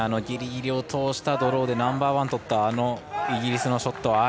ギリギリを通したドローでナンバーワンをとったあのイギリスのショット。